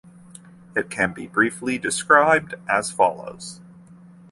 It can be briefly described as follows.